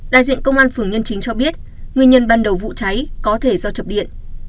đại diện công an phường nhân chính cho biết nguyên nhân ban đầu vụ cháy có thể do chập điện